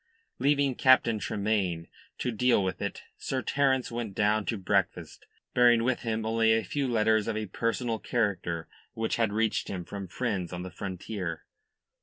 Leaving Captain Tremayne to deal with it, Sir Terence went down to breakfast, bearing with him only a few letters of a personal character which had reached him from friends on the frontier.